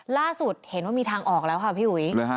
ล่าสุดเห็นว่ามีทางออกแล้วค่ะพี่อุ๋ย